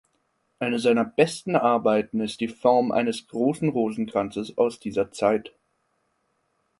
Eine seiner besten Arbeiten ist die Form eines großen Rosenkranzes aus dieser Zeit.